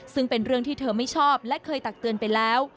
ซึ่งเป็นเรื่องที่เธอไม่ชอบและเคยตักเตือนไปแล้ว